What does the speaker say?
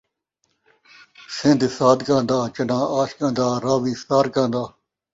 سن٘دھ صادقاں دا ، چنان٘ہہ عاشقاں دا، راوی سارقاں دا